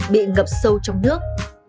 bị ngập sâu trong nước